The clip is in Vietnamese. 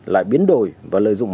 lại biến đổi và lợi dụng